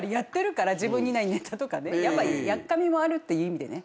やっぱやっかみもあるっていう意味で。